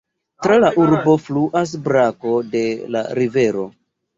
Tra la urbo fluas brako de la rivero.